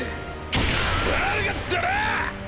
悪かったな！